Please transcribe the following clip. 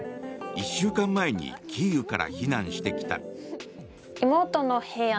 １週間前にキーウから避難してきた。